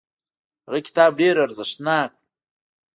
هغه کتاب ډیر ارزښتناک و.